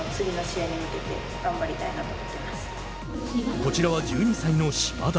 こちらは１２歳の島田。